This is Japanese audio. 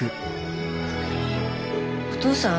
お義父さん